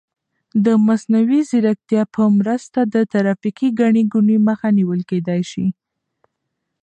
د مصنوعي ځیرکتیا په مرسته د ترافیکي ګڼې ګوڼې مخه نیول کیدای شي.